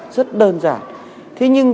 rất đơn giản thế nhưng